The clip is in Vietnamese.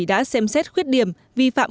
đã xem xét khuyết điểm vi phạm